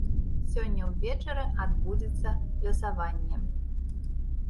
Сёння ўвечары адбудзецца лёсаванне.